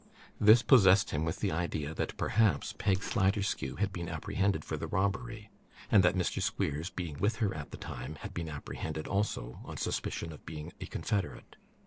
This possessed him with the idea that, perhaps, Peg Sliderskew had been apprehended for the robbery, and that Mr. Squeers, being with her at the time, had been apprehended also, on suspicion of being a confederate.